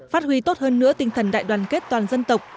phát huy tốt hơn nữa tinh thần đại đoàn kết toàn dân tộc